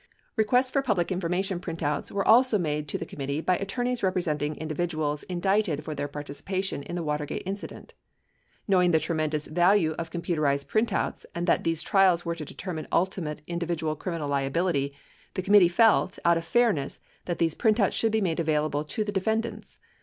Requests for public information printouts were also made to the committee by attorneys representing individuals indicted for their participation in the Watergate incident. Knowing the tremendous value of computerized printouts and that these trials were to determine ultimate individual criminal liability, the committee felt, out of fairness, that these printouts should be made available to the defend ants.